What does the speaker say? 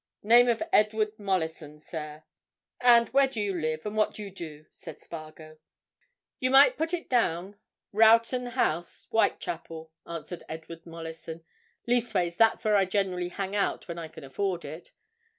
Name of Edward Mollison, sir." "And where do you live, and what do you do?" asked Spargo. "You might put it down Rowton House, Whitechapel," answered Edward Mollison. "Leastways, that's where I generally hang out when I can afford it.